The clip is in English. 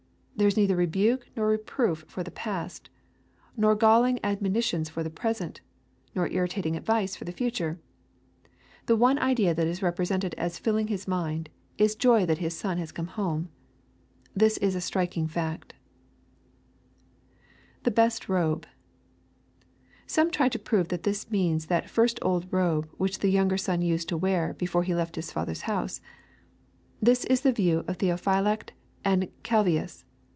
There is neither rebuke nor reproof for the past, nor galling admo ^ nitions for the j)resent, nor irritating advice for the future. The one idea that is represented as filling his mind^ is joy tliat his sou has come home. This is a striking fact [The best robe,] Some try to prove that this means that first old robe which the younger son used to wear, before he left his father's house. This is the view of Theophylact and Calovius.